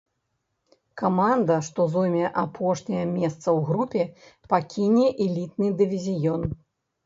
Каманда, што зойме апошняе месца ў групе, пакіне элітны дывізіён.